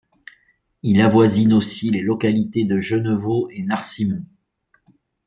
Il avoisine aussi les localités de Gennevaux et Narcimont.